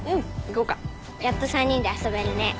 やっと３人で遊べるね。